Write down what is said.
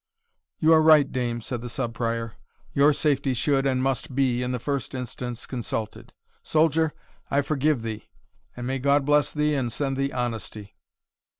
"You are right, dame," said the Sub Prior, "your safety should, and must be, in the first instance consulted. Soldier, I forgive thee, and may God bless thee and send thee honesty."